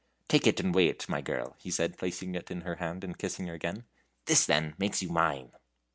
"Take it and weigh it, my girl," he said, placing it in her hand and kissing her again. "This, then, makes you mine!"